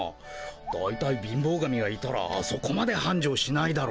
だいたい貧乏神がいたらあそこまではんじょうしないだろ。